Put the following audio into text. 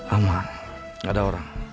aman ada orang